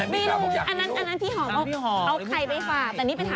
ไม่รู้อันนั้นพี่หอมบอกเอาไข่ไปฝาก